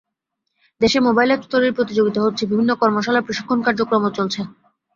দেশে mobile apps তৈরির প্রতিযোগিতা হচ্ছে, বিভিন্ন কর্মশালা প্রশিক্ষণ কার্যক্রমও চলছে।